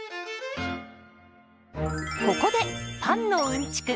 ここでパンのうんちく